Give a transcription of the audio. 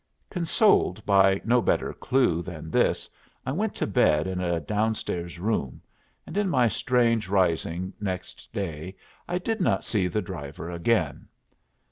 Consoled by no better clew than this I went to bed in a down stairs room, and in my strange rising next day I did not see the driver again.